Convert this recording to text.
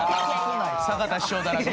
坂田師匠だらけ。